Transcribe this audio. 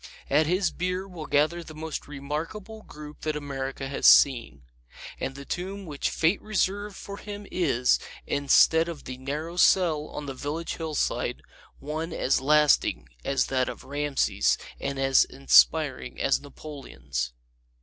At his bier will gather the most remarkable group that America has seen. And the tomb which Fate reserved for him is, instead of the narrow cell on the village hillside, one as lasting as that of Rameses and as inspiring as Napoleon's.